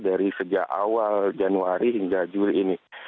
dari sejak awal januari hingga juli ini